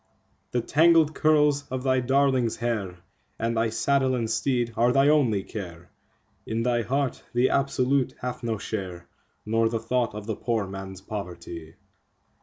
The tangled curls of thy darling's hair, and thy saddle and teed are thy only care; In thy heart the Absolute hath no share, nor the thought of the poor man's poverty.